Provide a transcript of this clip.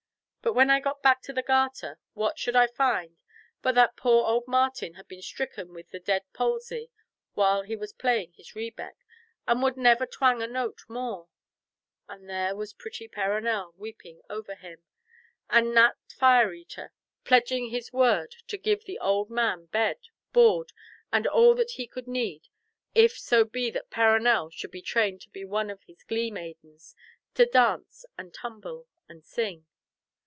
But when I got back to the Garter, what should I find but that poor old Martin had been stricken with the dead palsy while he was playing his rebeck, and would never twang a note more; and there was pretty Perronel weeping over him, and Nat Fire eater pledging his word to give the old man bed, board, and all that he could need, if so be that Perronel should be trained to be one of his glee maidens, to dance and tumble and sing.